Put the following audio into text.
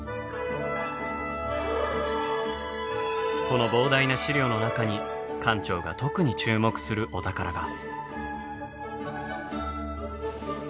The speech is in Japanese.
この膨大な資料の中に館長が特に注目するお宝が。